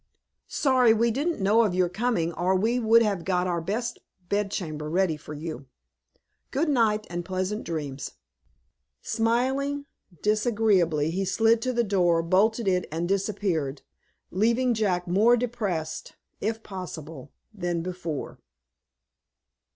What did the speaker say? Sorry we didn't know of your coming, or we would have got our best bed chamber ready for you. Good night, and pleasant dreams!" Smiling disagreeably he slid to the door, bolted it, and disappeared, leaving Jack more depressed, if possible, than before.